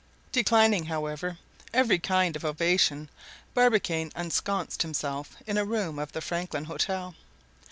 Declining, however, every kind of ovation, Barbicane ensconced himself in a room of the Franklin Hotel.